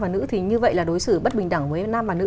và nữ thì như vậy là đối xử bất bình đẳng với nam và nữ